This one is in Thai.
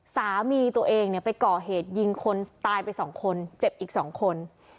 สามีตัวเองเนี่ยไปก่อเหตุยิงคนตายไป๒คนเจ็บอีก๒คน